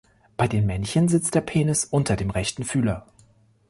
Bei den Männchen sitzt der Penis unter dem rechten Fühler.